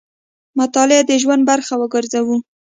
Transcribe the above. مطالعه د ژوند برخه وګرځوو.